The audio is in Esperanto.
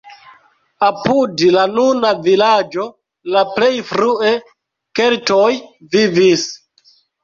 Apud la nuna vilaĝo la plej frue keltoj vivis.